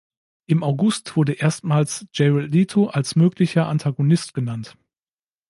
Im August wurde erstmals Jared Leto als möglicher Antagonist genannt.